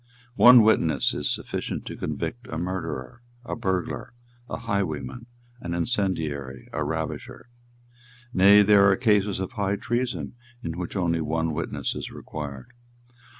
One witness is sufficient to convict a murderer, a burglar, a highwayman, an incendiary, a ravisher. Nay, there are cases of high treason in which only one witness is required.